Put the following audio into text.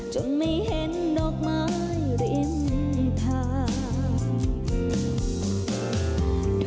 จนไม่เห็นดอกไม้ริมทาง